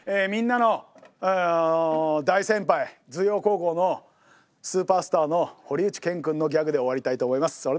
みんなの大先輩葉高校のスーパースターの堀内健君のギャグで終わりたいと思います。